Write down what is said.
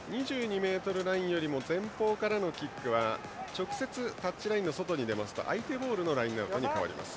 ２２ｍラインよりも前方からのキックは直接タッチラインの外に出ると相手ボールのラインアウトに変わります。